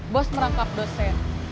bos merangkap dosen